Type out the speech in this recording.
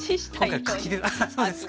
今回柿で。